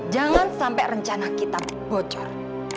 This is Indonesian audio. jangan sampai rencana kita bocor